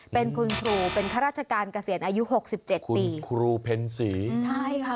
เป็นคุณครูเป็นข้าราชการเกษียณอายุหกสิบเจ็ดปีครูเพ็ญศรีใช่ค่ะ